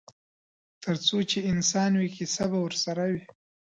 ترڅو چې انسان وي کیسه به ورسره وي.